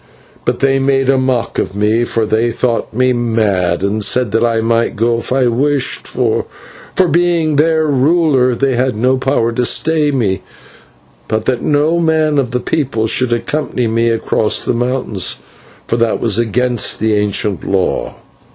But they made a mock of me, for they thought me mad, and said that I might go if I wished, for being their ruler they had no power to stay me, but that no man of the people should accompany me across the mountains, for that was against the ancient law.